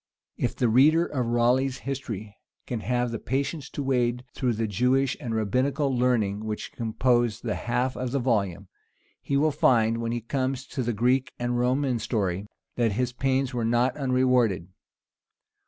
If the reader of Raleigh's history can have the patience to wade through the Jewish and rabbinical learning which compose the half of the volume, he will find, when he comes to the Greek and Roman story, that his pains are not unrewarded.